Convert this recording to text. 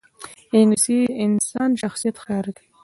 انګلیسي د انسان شخصیت ښکاروي